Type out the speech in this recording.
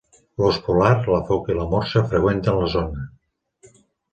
L'ós polar, la foca i la morsa freqüenten la zona.